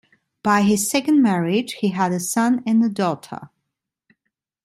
By his second marriage he had a son and a daughter.